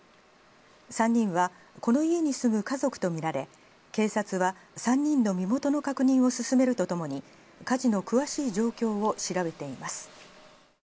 ３人はこの家に住む家族とみられ警察は３人の身元の確認を進めるとともに火事の詳しい状況を調べています。